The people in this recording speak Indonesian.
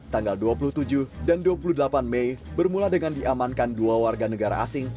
tanggal dua puluh tujuh dan dua puluh delapan mei bermula dengan diamankan dua warga negara asing